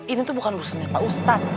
ini tuh bukan urusannya pak ustadz